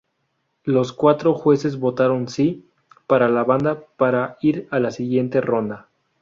Los cuatro jueces votaron "sí" para la banda para ir a la siguiente ronda.